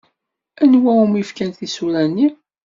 Anwa umi fkant tisura-nni?